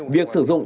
việc sử dụng